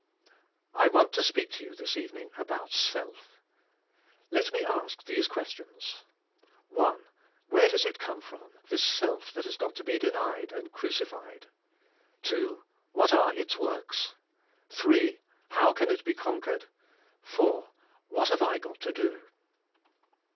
I want to speak to you this evening about self. Let me ask these questions. 1. Where does it come from, this self that has got to be denied and crucified? 2. What are its works? 3. How can it be conquered? 4. What have I g ot to do?